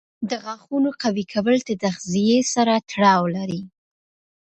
د غاښونو قوي کول د تغذیې سره تړاو لري.